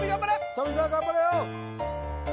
富澤頑張れよ！